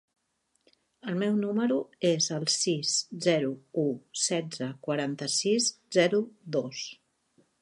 El meu número es el sis, zero, u, setze, quaranta-sis, zero, dos.